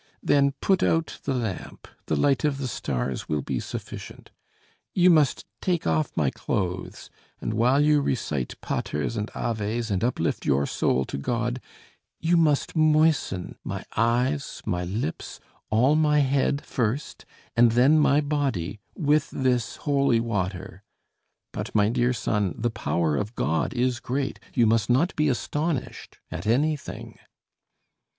Then put out the lamp the light of the stars will be sufficient. You must take off my clothes, and while you recite 'Paters' and 'Aves' and uplift your soul to God, you must moisten my eyes, my lips, all my head first, and then my body, with this holy water. But, my dear son, the power of God is great. You must not be astonished at anything."